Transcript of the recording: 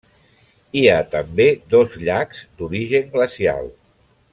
Hi ha també dos llacs d'origen glacial.